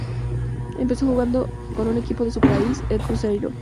Empezó jugando con un equipo de su país, el Cruzeiro.